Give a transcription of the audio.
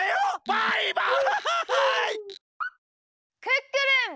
クックルン！